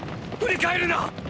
振り返るな！！